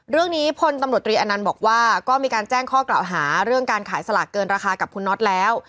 เรื่องนี้พนธรรมดรีอนัลบอกว่าก็มีการแจ้งข้อกล่าวหาเรื่องการขายสลากเกินราคากับคุณน็อตแล้ว